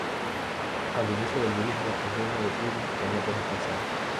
Al inicio del budismo, el reino de Kuru tenía poca extensión.